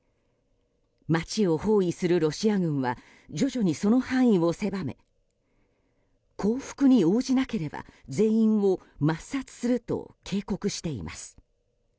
街を包囲するロシア軍は徐々にその範囲を狭め降伏に応じなければ全員を抹殺すると警告しています。